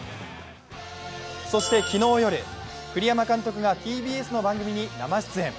そして昨日夜、栗山監督がＴＢＳの番組に生出演。